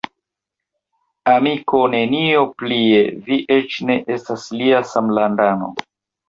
Amiko, nenio plie: vi eĉ ne estas lia samlandano.